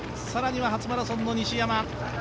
更には初マラソンの西山。